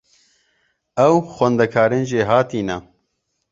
Ew xwendekarên jêhatî ne.